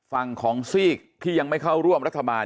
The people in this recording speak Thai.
ฝั่งของซีกที่ยังไม่เข้าร่วมรัฐบาล